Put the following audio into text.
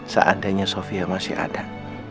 seandainya sofia masih ada